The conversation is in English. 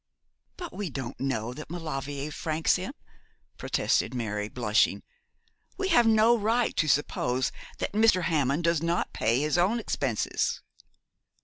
'But we don't know that Maulevrier franks him,' protested Mary, blushing. 'We have no right to suppose that Mr. Hammond does not pay his own expenses.'